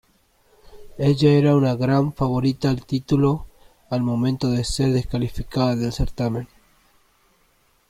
Ella era una gran favorita al título al momento de ser descalificada del certamen.